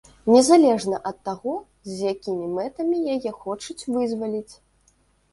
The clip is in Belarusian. Незалежна ад таго, з якімі мэтамі яе хочуць вызваліць!